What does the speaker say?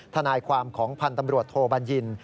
ทนายความของพันธ์ตำรวจโทบัญญิน